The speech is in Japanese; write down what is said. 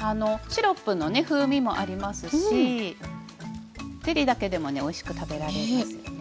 あのシロップのね風味もありますしゼリーだけでもねおいしく食べられますよね。